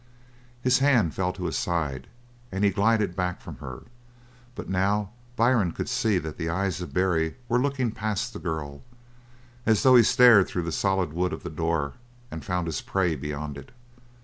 His hand fell to his side and he glided back from her; but now Byrne could see that the eyes of Barry were looking past the girl, as though he stared through the solid wood of the door and found his prey beyond it.